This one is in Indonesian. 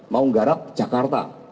mau nggarap jakarta